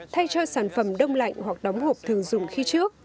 thay cho sản phẩm đông lạnh hoặc đóng hộp thường dùng khi trước